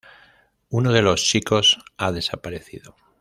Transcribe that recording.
Uno de los chicos ha desaparecido.